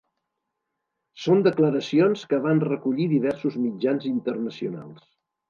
Són declaracions que van recollir diversos mitjans internacionals.